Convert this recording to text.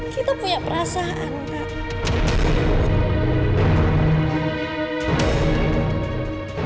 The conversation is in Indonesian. kita punya perasaan kak